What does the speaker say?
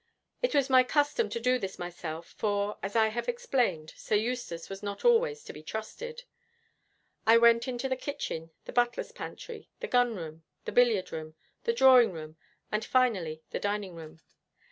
It was my custom to do this myself, for, as I have explained, Sir Eustace was not always to be trusted. I went into the kitchen, the butler's pantry, the gun room, the billiard room, the drawing room, and finally the dining room.